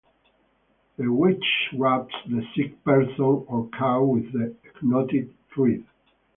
The witch rubs the sick person or cow with the knotted thread.